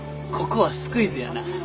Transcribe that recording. ここはスクイズやな。